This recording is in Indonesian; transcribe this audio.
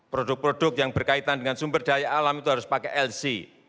produk produk yang berkaitan dengan sumber daya alam itu harus pakai lc